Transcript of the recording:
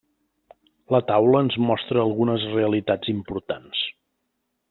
La taula ens mostra algunes realitats importants.